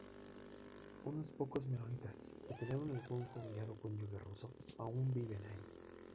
Unos pocos menonitas, que tenían algún familiar o cónyuge ruso, aún viven allí.